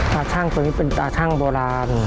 ตาช่างตัวนี้เป็นตาช่างโบราณ